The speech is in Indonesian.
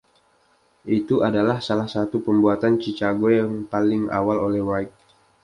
Itu adalah salah satu pembuatan Chicago paling awal oleh Wright.